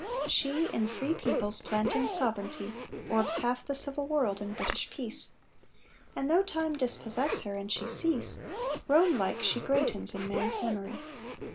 She, in free peoples planting sovereignty, Orbs half the civil world in British peace; And though time dispossess her, and she cease, Rome like she greatens in man's memory.